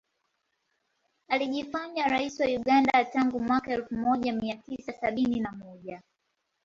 Alijifanya rais wa Uganda tangu mwaka elfu moja mia tisa sabini na moja